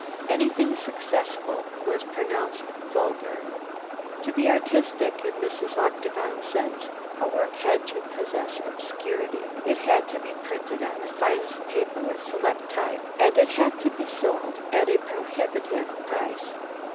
Anything successful was pronounced "Vulgar!" To be artistic in Mrs. Octagon's sense, a work had to possess obscurity, it had to be printed on the finest paper with selected type, and it had to be sold at a prohibitive price.